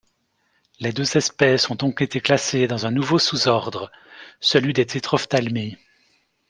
Les deux espèces ont donc été classées dans un nouveau sous-ordre, celui des Tetrophthalmi.